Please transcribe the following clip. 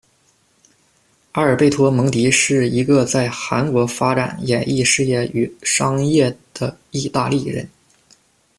阿尔贝托·蒙迪是一个在韩国发展演艺事业与商业的义大利人。